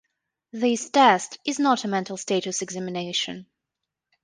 This test is not a mental status examination.